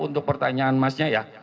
untuk pertanyaan masnya ya